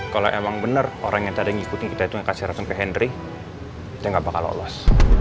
kalau emang benar orang yang tadi ngikutin kita itu yang kasih ratuan ke hendry dia nggak bakal lolos